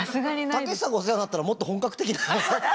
たけしさんがお世話になったのはもっと本格的な。